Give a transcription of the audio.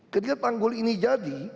ketika tanggul ini jadi